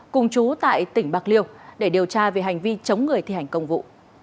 cùng chú tại tỉnh bạc liêu để điều tra về hành vi chống người thi hành công vụ